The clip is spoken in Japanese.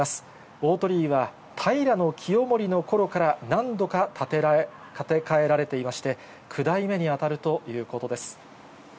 大鳥居は、平清盛のころから何度か建て替えられていまして、９代目に当たるということです。